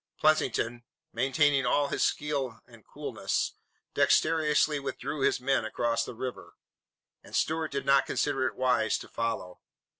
Pleasanton, maintaining all his skill and coolness, dexterously withdrew his men across the river, and Stuart did not consider it wise to follow.